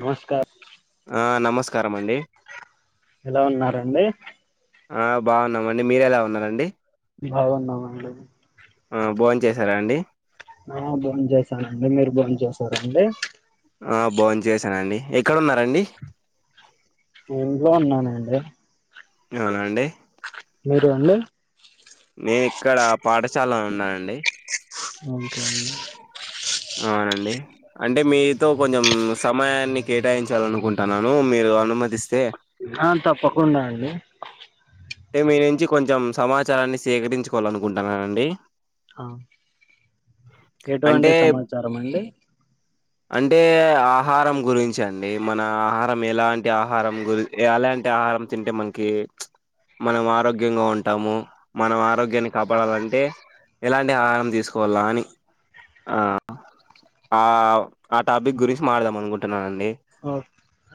నమస్కా ఆ నమస్కారం అండి ఎలా ఉన్నారండి ఆ బాగున్నమండి మీరేలా ఉన్నారండి బాగున్నామండి ఆ భోంచేసారా అండి ఆ భోంచేసానండి మీరు భోంచేసారాండి ఆ భోంచేసానండి ఎక్కడున్నారండి ఇంట్లో ఉన్నానండి అవున అండి మీరు అండి నేను ఇక్కడ పాఠశాలో ఉన్నానండి ఓకే అండి అవునండి అంటే మీతో కొంచం సప్ సమయాన్ని కేటాయించాలనుకుంటున్నాను మీరు అనుమ అ తప్పకుండా అండి అంటే మీ నుంచి కొంచెం సమాచారాన్ని సేకరించుకోవాలనుకుంటున్నానండి ఆ ఎటువంటి అంటే సమాచారం అండి అంటే ఆహారం గురించి అండి మన ఆహారం ఎలాంటి ఆహారం గురి ఎలాంటి టి ఆహారం తింటే మనకి మనం ఆరోగ్యంగా ఉంటాము మనం ఆరోగ్యాన్ని కాపాడాలంటే ఎలాంటి ఆహారం తీసుకోవాలా అని ఆ ఆ ఆ టాపిక్ గురించి మాట్లాడుదాం అనుకుంటున్నానం ఓ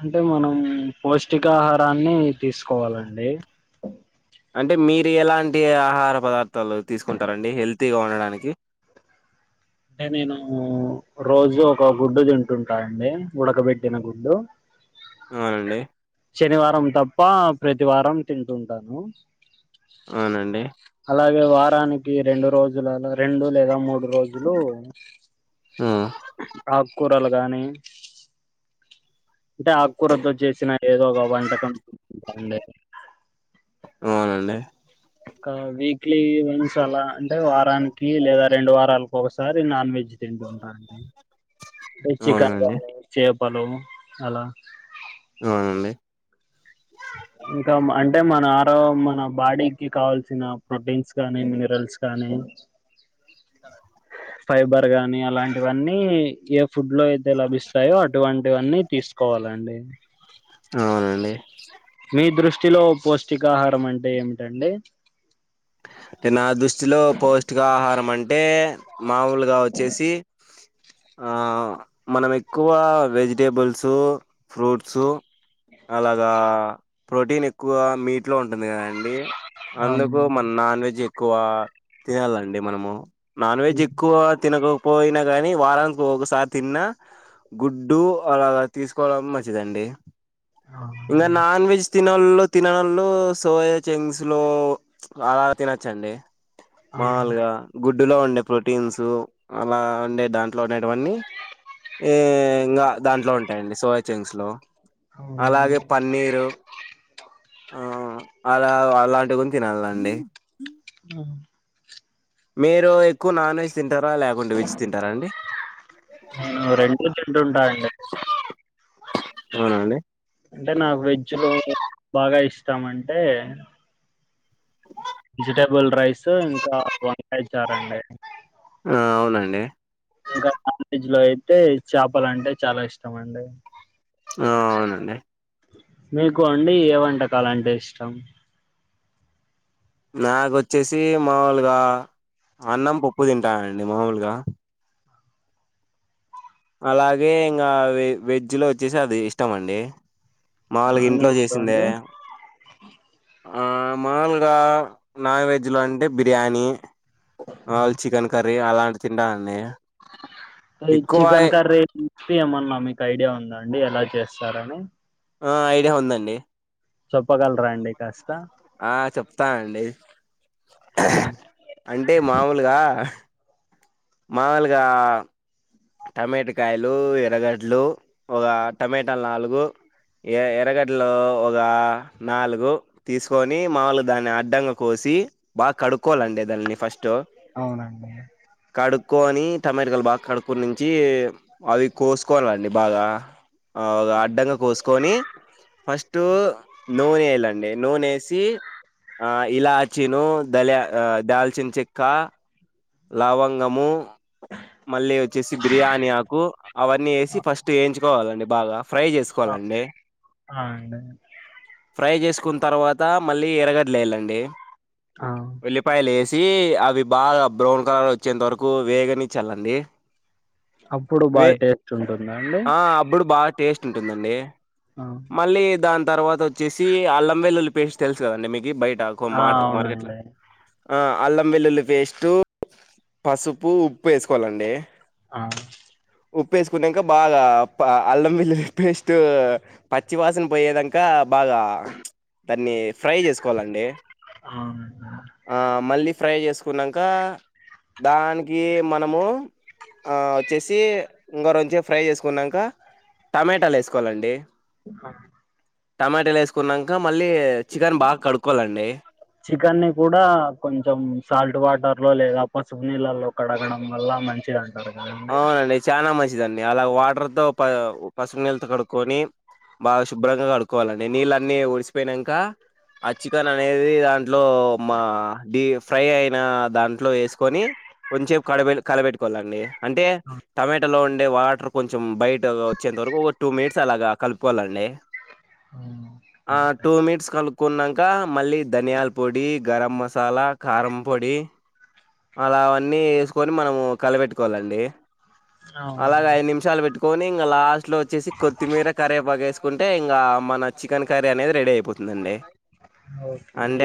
అంటే మనం పోష్ పౌష్టికాహారాన్ని తీసుకోవాలండి అంటే మీరు ఎలాంటి ఆహార పదార్థాలు తీసుకుంటారండి హెల్తిగా ఉండటానికి అంటే నేను రోజు ఒక గుడ్డు తింటుంటా అండి ఉడకబెట్టిన గుడ్డు అవునండి శనివారం తప్ప ప్రతివారం తింటుంటాను అవునండి అలాగే వారానికి రెండు రోజులలో రెండు లేదా మూడు జులు ఆ ఆకుకూరలు గానీ అంటే ఆకుకూరతో చేసిన ఏదో ఒక వంటకం ట అండి అవునండి ఒక వీక్లీ వన్స్ అలా అంటే వారానికి లేదా రెండు వారాలకు ఒకసారి నాన్ వెజ్ తింటుంటా అంటే చికెన్ అవునండి కానీ చేపలు అలా అవునా అండి ఇంకా అంటే మన ఆరో మన బాడీకి కావాల్సిన ప్రోటీన్స్ గానీ మినరల్స్ గానీ ఫైబర్ గానీ అలాంటివన్నీ ఫుడ్ లో అయితే లభిస్తాయో అటువంటివన్నీ తీసుకోవాలండి అవునండి మీ దృష్టిలో పౌష్టికాహారం అంటే ఏమిటండి అంటే నా దృష్టిలో పౌష్టికాహారం అంటే మామూలుగా వచ్చేసి ఆ మనము ఎక్కువ వెజిటేబుల్స్ ఫ్రూట్సు అలాగా ప్రోటీన్ ఎక్కువ మీట్ లో ఉంటుంది కదండి అందుకు అవును మ నా ఎక్కువ తినాలండి మనము నాన్ వెజ్ ఎక్కువ తినకు పోయిన గాని వారానికి ఒకసారి తిన్నా గుడ్డు అలాగా తీసుకోవడం మంచిదండి ఇంకా అవునండి నాన్ వెజ్ తిన ళు తిననలు సోయ చెంగ్స్లు [unintelligible] అలా తినచ్చండి అవును మాములుగా గుడ్డులో ఉండే ప్రోటీన్సు అలా ఉండే దాట్ లోనేటివన్నీ ఇంగా దాంట్లో ఉంటాయండి సోయా చెంస్ లో అలాగే అవునండి పన్నీరు ఆ అలా అలాంటి కూడా తినాలండి ఆ మీరు ఎక్కువ నాన్ వెజ్ తింటారా లేకుంటే వెజ్ తింటారా అండి రెండు తింటూటాఅండి అవునా అండి అంటే నాకు వెజ్ లో బాగా ఇష్టం అంటే వెజిటబుల్ రైస్ ఇంకా వంకాయ చారండి ఆ అవునండి ఇంకా నాన్ వేజ్ లో అయితే చేపలు అంటే చాలా ఇష్టం అండి ఆ అవునండి మీకు అండి ఏ వంటకాల అంటే ఇష్టం నాకు వచ్చేసి మాముూలుగా అన్నం పప్పు తింటా నండి మాముూలుగా అలాగే ఇంగ వెజ్ లో వచ్చేసి అది ఇష్టం అండి మాములుగా నాన్ ఇంట్లో వెజ్ లో చేసిందే అండి ఆ మాముూలుగా నాన్ వెజ్లో అంటే బిర్యానీ మాములు చికెన్ కర్రీ అలాంటి తింటా అండి చికెన్ కర్రీ ఏమన్నా మీకు ఐడియా ఉందండి ఎలా చేస్తారని ఆ ఐడియా ఉందండి చెప్పగలరా అండి కాస్త ఆ చెప్తానండి ఉమ్, అంటే మామూలుగా మామూలుగా టమాటకాయలు ఎర్రగడ్లు ఒక టమాటాలు నాలుగు ఎ ఎరగడ్లో ఒక నాలుగు తీసుకొని మాములు దాన్ని అడ్డంగా కోసి బాగా కడుక్కొవాలండి దానిని ఫస్ట్ అవునండి కడుక్కొని టమాటకాయలు బాగా కడు ప్పుడు నుంచి అవి కోసుకోవాలండి బాగా ఆవ్గా అడ్డంగా కోస్కొని ఫస్ట్ నూనె వేయాలండి నూనె వేసి ఆ ఇలాచిను దళియ దాల్చిన్ చెక్క లావంగము మళ్ళీ వచ్చేసి బిర్యానీ ఆకు అవన్నీ ఏసి ఫస్ట్ ఏయించుకోవాలండి బాగా ఫ్రై ఆ చేసుకోవాల్నండ్నే ఆ అండి ఫ్రై చేస్క్ కున్ తర్వాత మళ్ళీ ఎర్రగడ్డలు వేయాలండి ఆ ఉల్లిపాయలు వేసి అవి బాగా బ్రౌన్ కలర్ వచ్చేంత వరకు వేగనిచ్చాలండి అప్పుడు వే బాగా టేస్ట్ ఉంటుందా అండి ఆ అబ్బుడు బాగా టేస్ట్ ఉంటుందండి ఆ మళ్లీ దాన్ తర్వాత వచ్చేసి అల్లం వెల్లుల్లి పేస్ట్ తెలుసు కదండి మీకి బయట ఆ, కోమార్ట్క్ మార్కెట్ లో అవునండి ఆ అల్లం వెల్లుల్లి పేస్టు, పసుపు, ఉప్పు వేసుకోవాలండి. ఆ ఉప్పు వేసుకున్నాంక బాగా పా అల్లం వెల్లుల్లి పేస్ట్ పచ్చి వాసన పోయేదంకా బాగా ప్చ్ దాన్ని ఫ్రై చేసుకోవాలండి. ఆ మళ్ళీ ప్ ఫ్రై చేసుకున్నాంక దానికి మనము ఆ వచ్చేసి ఇంక రొంచేపు ఫ్రై చేసుకున్నాంక టమేటాలు వేసుకోవాలండి. అ టమేటాలు వేసుకున్నాంక మళ్ళీ చికెన్ బాగా కడుక్కోవలండి. కన్నీ కూడా కొంచెం సాల్ట్ వాటర్ లో లేదా, పసుపు నీళ్ళలో కడగడం వల్ల మంచిదన్ అవునండి చానా మంచిదండి అలాగ వాటర్తో పసుపు నీళ్ళతో కడుక్కొని బాగా శుభ్రంగా కడుకోవాలండి నీళ్ళన్నీ ఓడిసిపోయిన్నాంక ఆ చికెన్ అనేది దాంట్లో మా ఢీ ఫ్రై అయిన, దాంట్లో వేసుకొని కొంచేపు కడవెల్ కలబెట్టుకోవాలండి అంటే ఆ, టమేటాలో ఉన్ డే వాటర్ కొంచెం బయటకు వచ్చేంత వరకు ఒక టూ మినిట్స్ అలాగా కలుపుకోవాలండి. ఆ, ఓకే. ఆ టూ మినిట్స్ కలుపుకున్నాంక్ కా మళ్ళీ ధనియాల్ పొడి గరం మసాలా, కారం పొడి అలా అవన్నీ వేసుకొని మనము కలపెట్క్ క్కోలండి అలాగ అవునండి ఐదు నిమిషాలు పెట్టుక్ కొని ఇంకా లాస్ట్లో వచ్చేసి కొత్తిమీర కరివేపాకు వేసుకుంటే ఇంకా మన చికెన్ కర్రీ అనేది రెడీ అయిపోత్ తుందందే ఓకే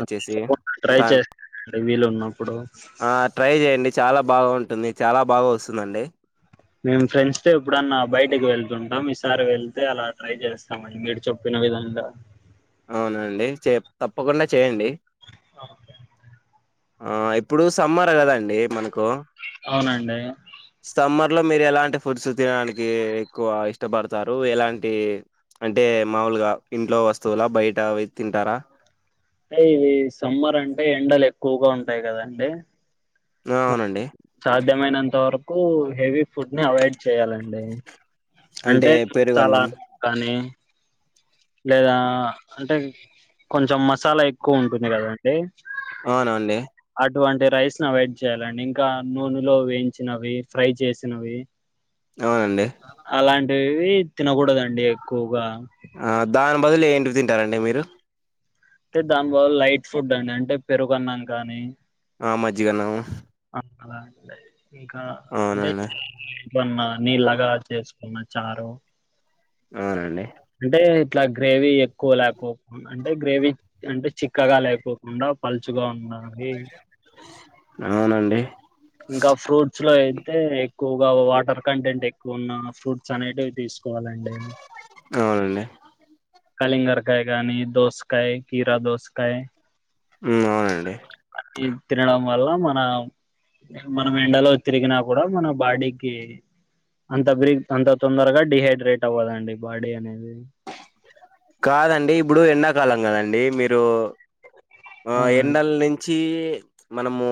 వచ్చేసి ట్రై దాన్ చేస్తానండి వీలు ఉన్నప్పుడు ఆ ట్రై చేయండి. చాలా బాగా ఉంటుంది. చాలా బాగా వస్తుందండి. మేము ఫ్రెండ్స్ తో ఎప్పుడన్నా బయటికి వెళ్తుంటాం ఈసారి వెళ్తే అలా ట్రై చేస్తామన్ మీడు చెప్పిన విధంగా అవునా అండి చే తప్పకుండా చేయండి ఓకే ఆ ఇప్పుడు సమ్మర్ కదాండి మనకు అవునండీ ఇంట్లో మీరు ఎలాంటి ఫుడ్స్ తినడానికి ఎక్కువ ఇష్టపడతారు ఎలాంటి అంటే మాములుగా ఇంట్లో వస్తువుల బయట అవి తింటారా అంటే ఇవి సమ్మర్ అంటే ఎండలు ఎక్కువగా ఉంటాయి కదాండి నవునండి విధమైనంత వరకు హెవీ ఫుడ్నే అవాయ్డ్ చేయాలండి. అంటే చాలా కానీ లేదా అంటే కొంచెం మసాలా ఎక్కువ ఉంటుంది కదండి అవునండి అటువంటి రైస్ ను అవయిడ్ చేయ్యాలండి ఇంకా నూనెలో వేయించినవి ఫ్రై చేసినవి అవునండి వి తినకూడదండి ఎక్కువగా ఆ దాని బదులు ఏంటివి తింటారండి మీరు అంటే దాని బదులు లైట్ ఫుడ్ అండి అంటే పెరుగన్నాం కానీ ఆ మజ్జిగన్నం ఆ, అలా అంటే ఇంకా అంటే అవునండి చిల్లి వన్న నీళ్ళగా చేసుకున్న చారు అవునండి అంటే ఇట్లా గ్రేవీ ఎక్కువ లేకోకు అంటే గ్రేవీ అంటే చిక్కగా లేకోకుండా అ పలుచుగా ఉన్నా అవి అవునండి ఇంకా ఫ్రూట్స్ లో అయితే ఎక్కువగా వాటర్ కంటెంట్ ఎక్కువ ఉన్న ఫ్రూట్స్ అనేటివి తీసుకోవాలండి అవునండి కలింగారకాయ కానీ దోసకాయ కిరా దోసకాయ ఊ అవునండి ఇవి తినడం వల్ల మన మనం ఎండలో తిరిగినా కూడా మన బాడీకి అంత బ్రిడ్ అంత తొందరగా డిహైడ్రేట్ అవ్వదండి బాడీ అనేది కాదండి ఇప్పుడు ఎండాకాలం కదండి మీరు ఆ అవునండి ఎండల నుంచి మనము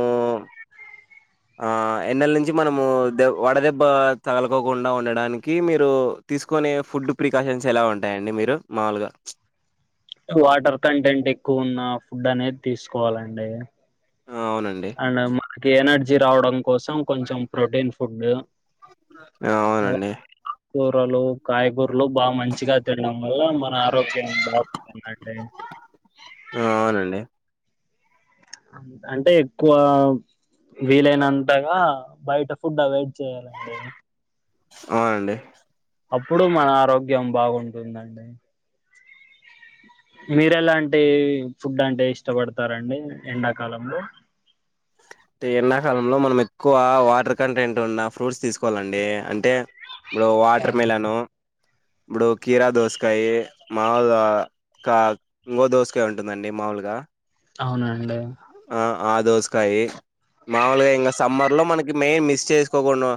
ఆ ఎండల నుంచి మనము దె వడదెబ్బ తగలుకోకుండా ఉండడానికి మీరు తీసుకునే ఫుడ్ ప్రికాషన్స్ ఎలా ఉంటాయండి మీరు మాముూలుగా ప్చ్ వాటర్ కంటెంట్ ఎక్కువ ఉన్న ఫుడ్ అనేది తీసుకోవాలండి అవునండి అండ్ మనకి ఎనర్జీ రావడం కోసం కొంచెం ప్రోటీన్ ఫుడ్ అలా అవునండి కూరలు కాయగూర్ లు బాగా మంచిగా తినడం వల్ల మన ఆరోగ్యం బాగుందండి అవునండి అంటే ఎక్కువ వీలైనంతగా బయట ఫుడ్ అవైడ్ చేయాలండి అవునండి అప్పుడు మన ఆరోగ్యం బాగుంటుందండి మీర ఎలాంటి ఫుడ్ అంటే ఇష్టపడతారండి ఎండాకాలంలో అంటే ఎండాకాలంలో మనం ఎక్కువ వాటర్ కంటెంట్ ఉన్న ఫ్రూట్స్ తీసుకోవాలండి అంటే ఇప్పుడు వాటర్ అవును. మిలన్ ఇప్పుడు కీరా దోసకాయ మామూలుగా కా ఇంగో దోసకాయ ఉంటుందండి మాములుగా అవునండి ఆ దోసకాయి మామూలుగా ఇంకా సమ్మర్ లో మనకి మెయిన్ మిస్ చేసుకోకుండా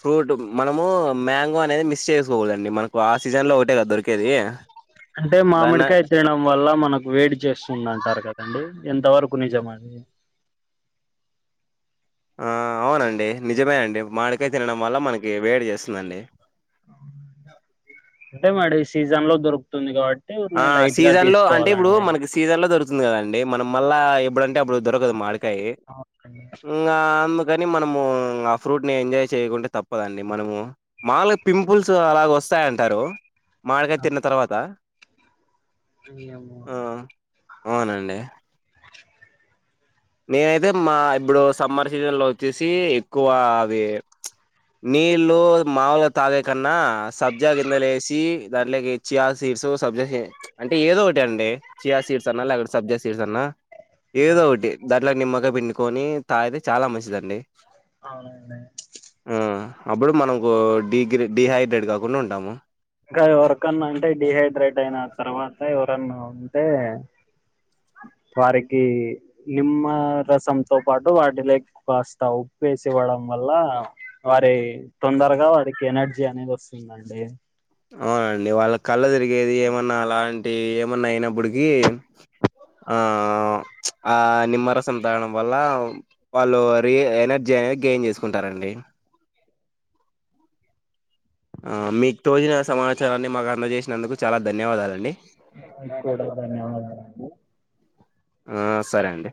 ఫ్రూట్ మనము మ్యాంగో అనేది మిస్ చేసుకోకుడదండి మనకు ఆ సీజన్లో ఒకటే కదా దొరికేది అంటే దాన్న మామిడికాయ తినడం వల్ల మనకు వేడి చేస్తుంది అంటారు కదండి ఎంత వరకు నిజమండి ఆ అవునండి నిజమే అండి మామిడికాయ తినడం వల్ల మనకి వేడి చేస్తుందండి అంతే మేడం ఈ సీజన్ లో దొరుకుతుంది కాబట్టి ఊరిని ఆ లైట్ గా సీజన్ లో అంటే ఇప్పుడు తీసుకోవాలండి మనకి సీజన్ లో దొరుకుంది దొరుకుతుంది కదా అండి మనం మళ్ళా ఎప్పుడంటే అప్పుడు దొరకదు మాడికాయ ఇంకా అ కాని మనము ఆ ఫ్రూట్ ని ఎంజాయ్ చేయకుంటే తప్పదండి మనము మామూలుగా. పింపుల్స్ అలాగ వస్త వస్తాయంటారు మామిడికాయ తిన్న అవునండి తర్వాత ఏమో ఆ! అవునండి టీవీ సౌండ్ నేనైతే మా ఇప్పుడు సమ్మర్ సీజన్ లో వచ్చేసి ఎక్కువ అది నీళ్లు మాములుగా తాగే కన్నా సబ్జా గింజలేసి దాంట్లోకి చియా సీడ్స్ సబ్జె అంటే ఏదో ఒకటి అండి చియా సీడ్స్ అన్నా లేక సబ్జా సీడ్స్ అన్నా ఆ ఏదో ఒకటి దాంట్లోకి నిమ్మకాయ పిండుకొని తాగితే చాలా మంచిదండి అవునండి ఆ అప్పుడు మనం డిహైడ్రేట్ కాకుండా ఉంటాము ఇంకా ఎవరికన్నా అంటే డిహైడ్రేట్ అయిన తర్వాత ఎవరన్నా ఉంటే వారికి నిమ్మ రసంతో పాటు వాటి లే కాస్తా ఉప్పు వేసి ఇవ్వడం వల్ల వారి తొందరగా వారికి ఎనర్జీ అనేది వస్తుందండి అవునండి వాళ్ళ కళ్ళ తిరిగేది ఏమన్నా అలాంటి ఏమన్నా అయినప్పటికి ఆ ఆ నిమ్మరసం తాగడం వల్ల వాళ్ళు రి ఎనర్జీ అనేది గెయిన్ చేసుకుంటారండి ఆ మీకు తోచిన సమాచారాన్ని మాకు అందజేసినందుకు చాలా ధన్యవాదాలండి మీ కూడా ధన్యవాదాలండి ఆ సరే అండి